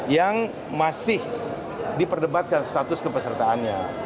yang masih diperdebatkan status kepesertaannya